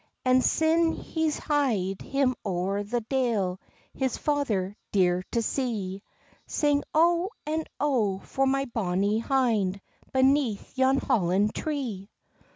And syne he's hyed him oer the dale, His father dear to see: "Sing O and O for my bonny hind, Beneath yon hollin tree!"